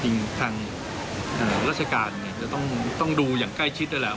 จริงทางราชการจะต้องดูอย่างใกล้ชิดด้วยแหละ